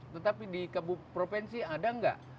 tetapi di provinsi ada tidak